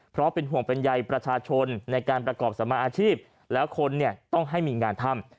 เพราะเป็นห่วงเป็นใยประชาชนในการประกอบสมาอาชีพแล้วคนเนี่ยต้องให้มีงานทำ